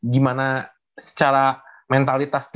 gimana secara mentalitas tersebut ya